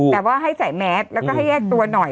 แต่ว่าให้ใส่แมสแล้วก็ให้แยกตัวหน่อย